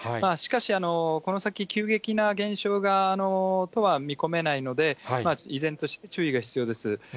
しかし、この先、急激な減少とは見込めないので、依然として注意が必要です。